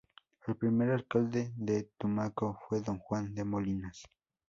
El primer alcalde de Tumaco fue don Juan de Molinas.